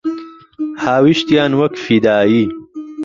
هاویشتیان وەک فیدایی